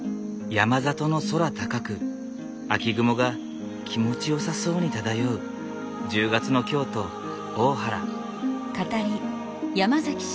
山里の空高く秋雲が気持ちよさそうに漂う１０月の京都大原。